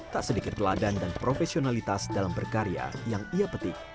tak sedikit teladan dan profesionalitas dalam berkarya yang ia petik